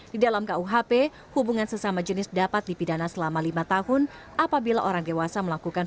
di dalam kuhp hubungan sesama jenis dapat dipidana selama lima tahun apabila orang dewasa melakukan